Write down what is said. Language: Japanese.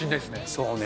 そうね。